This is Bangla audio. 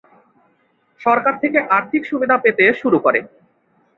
সরকার থেকে আর্থিক সুবিধা পেতে শুরু করে।